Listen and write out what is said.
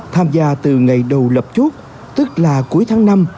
tham gia từ ngày đầu lập chốt tức là cuối tháng năm